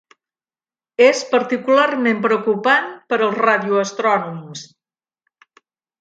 És particularment preocupant per als radioastrònoms.